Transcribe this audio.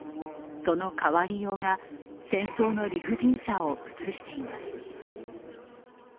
その変わりようが戦争の理不尽さを映しています。